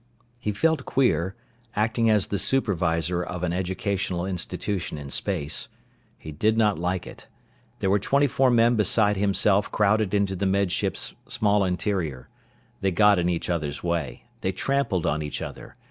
He felt queer, acting as the supervisor of an educational institution in space. He did not like it. There were twenty four men beside himself crowded into the Med Ship's small interior. They got in each other's way. They trampled on each other.